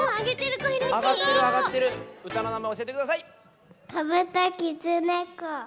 こぶたきつねこ。